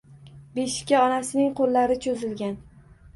Beshikka onasining qo‘llari cho‘zilgan